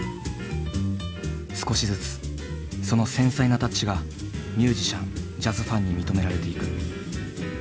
少しずつその繊細なタッチがミュージシャンジャズファンに認められていく。